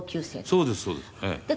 そうですそうです。